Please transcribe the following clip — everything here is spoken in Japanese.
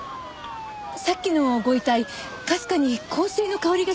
さっきのご遺体かすかに香水の香りがしませんでした？